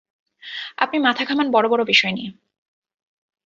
আপনি মাথা ঘামান বড়-বড় বিষয় নিয়ে।